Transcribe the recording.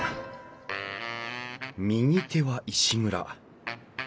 右手は石蔵。